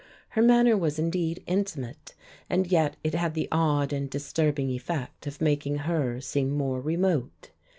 Her manner was indeed intimate, and yet it had the odd and disturbing effect of making her seem more remote.